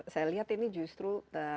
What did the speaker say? saya lihat ini justru